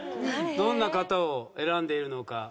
どんな方を選んでいるのか？